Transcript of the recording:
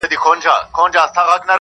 زما دردونه د دردونو ښوونځی غواړي.